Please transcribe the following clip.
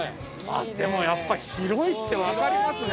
でもやっぱり広いって分かりますね。